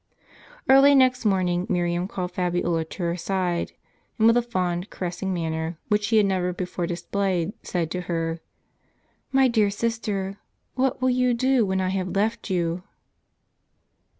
Early next morning, Miriam called Fabiola to her side, and with a fond, caressing manner, which she had never before displayed, said to her :" My dear sister, what will you do, when I have left you?"